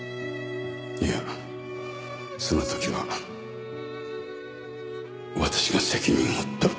いやその時は私が責任を取る。